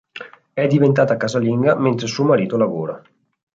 È diventata casalinga mentre suo marito lavora.